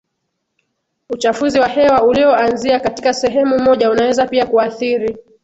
uchafuzi wa hewa ulioanzia katika sehemu moja unaweza pia kuathiri